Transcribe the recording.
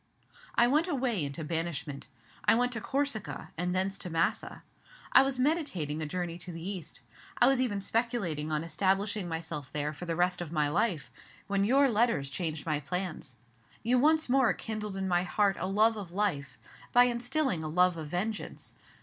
"I went away into banishment. I went to Corsica, and thence to Massa. I was meditating a journey to the East. I was even speculating on establishing myself there for the rest of my life, when your letters changed my plans. You once more kindled in my heart a love of life by instilling a love of vengeance.